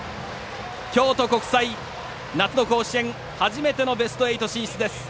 京都国際、夏の甲子園初めてのベスト８進出です。